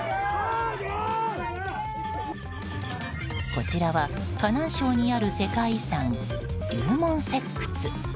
こちらは河南省にある世界遺産龍門石窟。